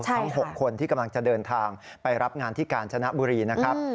ทั้ง๖คนที่กำลังจะเดินทางไปรับงานที่กาญจนบุรีนะครับ